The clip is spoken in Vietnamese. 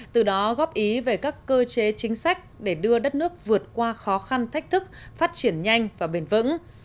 từ đó góp ý về các cơ chế chính sách để đưa đất nước vượt qua khó khăn thách thức phát triển nhanh và bền vững